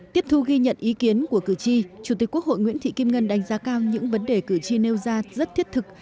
tiếp thu ghi nhận ý kiến của cử tri chủ tịch quốc hội nguyễn thị kim ngân đánh giá cao những vấn đề cử tri nêu ra rất thiết thực